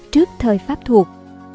trước thời pháp thuộc